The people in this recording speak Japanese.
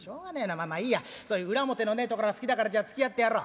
まあいいやそういう裏表のねえところは好きだからじゃあつきあってやろう。